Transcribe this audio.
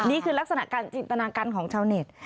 นี่คือลักษณะการจินตนาการของชาวเน็ต